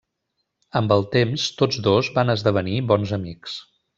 Amb el temps tots dos van esdevenir bons amics.